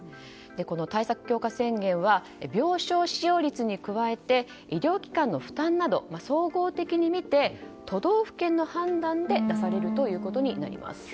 この対策強化宣言は病床使用率に加えて医療機関の負担など総合的に見て、都道府県の判断で出されるということになります。